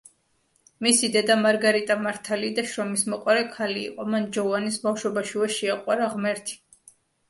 მისი დედა მარგარიტა მართალი და შრომისმოყვარე ქალი იყო, მან ჯოვანის ბავშვობაშივე შეაყვარა ღმერთი.